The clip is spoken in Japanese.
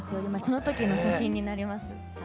その時の写真になります。